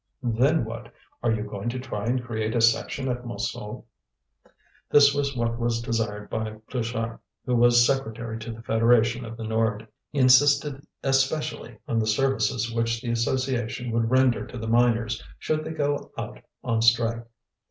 "Then, what? Are you going to try and create a section at Montsou?" This was what was desired by Pluchart, who was secretary to the Federation of the Nord. He insisted especially on the services which the association would render to the miners should they go out on strike.